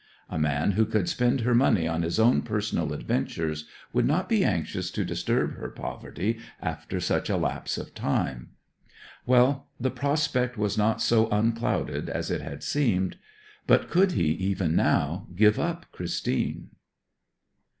A man who could spend her money on his own personal adventures would not be anxious to disturb her poverty after such a lapse of time. Well, the prospect was not so unclouded as it had seemed. But could he, even now, give up Christine?